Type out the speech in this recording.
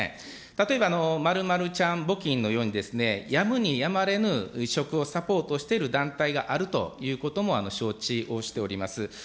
例えば、○○ちゃん募金のように、やむにやまれぬ移植をサポートしている団体があるということも承知をしております。